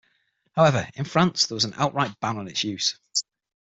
However, in France there was an outright ban on its use.